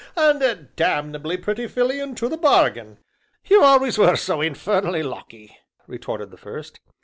and a damnably pretty filly into the bargain!" "You always were so infernally lucky!" retorted the first.